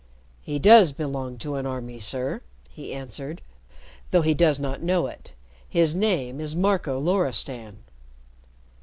"He does belong to an army, sir," he answered, "though he does not know it. His name is Marco Loristan."